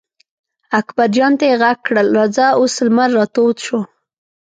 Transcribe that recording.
اکبر جان ته یې غږ کړل: راځه اوس لمر را تود شو.